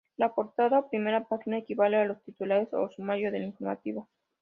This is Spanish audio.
La portada o primera página equivale a los titulares o sumario del informativo.